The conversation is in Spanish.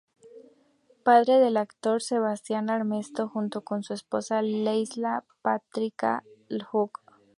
Padre del actor Sebastián Armesto, junto con su esposa Lesley Patricia Hook.